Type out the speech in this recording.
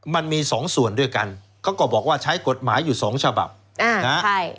มันมีสองส่วนด้วยกันเขาก็บอกว่าใช้กฎหมายอยู่สองฉบับอ่านะฮะใช่